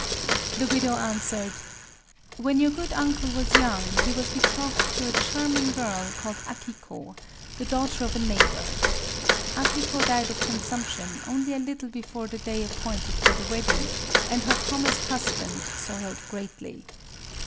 The widow answered:— "When your good uncle was young he was betrothed to a charming girl called Akiko, the daughter of a neighbor. Akiko died of consumption, only a little before the day appointed for the wedding; and her promised husband sorrowed greatly.